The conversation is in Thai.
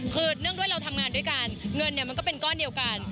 คือเนื่องด้วยเราทำงานด้วยกันเงินเนี่ยมันก็เป็นก้อนเดียวกัน